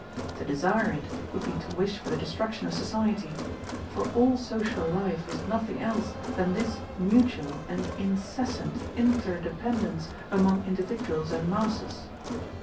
To desire it, would be to wish for the destruction of society; for all social life is nothing else than this mutual and incessant interdependence among individuals and masses.